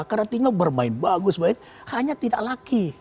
karena timnya bermain bagus hanya tidak laki